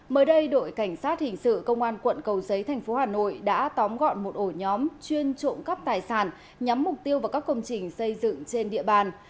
mới đây đội cảnh sát hình sự công an quận cầu giấy thành phố hà nội đã tóm gọn một ổ nhóm chuyên trộm cắp tài sản nhắm mục tiêu vào các công trình xây dựng trên địa bàn